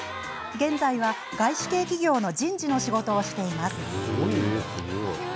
現在は外資系企業の人事の仕事をしています。